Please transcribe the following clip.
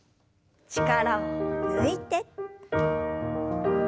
力を抜いて。